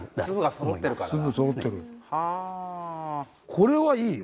これはいいよ。